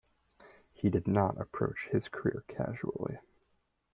He did not approach his career casually.